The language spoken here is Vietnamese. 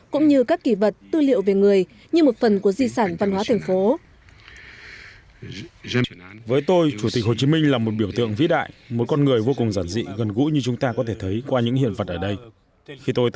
cũng như các kỳ vật tư liệu về người như một phần của di sản văn hóa thành phố